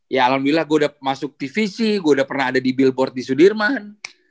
ya alhamdulillah gue udah masuk divisi gue udah pernah ada di billboard di sudirman